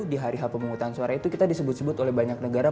di hari h pemungutan suara itu kita disebut sebut oleh banyak negara